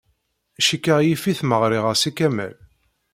Cikkeɣ yif-it ma ɣriɣ-as i Kamal.